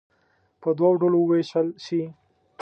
په دوو ډلو ووېشل شي.